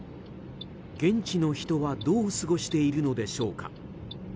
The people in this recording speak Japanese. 現地の人はどう過ごしているのでしょうか。